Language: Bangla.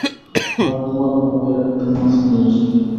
তারা তোমার মাপের একটা মাস্ক নিয়ে আসবে।